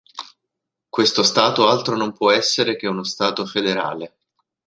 Questo Stato altro non può essere che uno Stato federale.